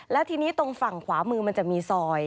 แล้วทีนี้ตรงฝั่งขวามือมันจะมีซอย